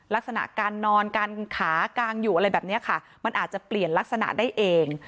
ลักษณะการนอนการขากางอยู่อะไรแบบนี้ค่ะมันอาจจะเปลี่ยนลักษณะได้เอง